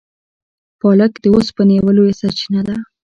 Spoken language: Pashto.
پالک د اوسپنې یوه لویه سرچینه ده.